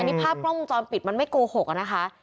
นี่ภาพกล้องวงจรปิดมันไม่โกหกอะนะคะ